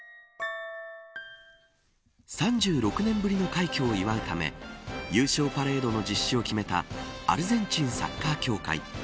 ３６年ぶりの快挙を祝うため優勝パレードの実施を決めたアルゼンチンサッカー協会。